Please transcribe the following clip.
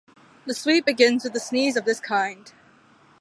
The Suite begins with a sneeze of this kind!